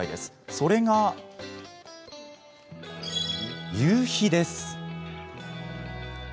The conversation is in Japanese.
それが、夕日です。